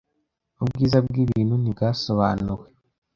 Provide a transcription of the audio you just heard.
Ubwiza bwibintu ntibwasobanuwe.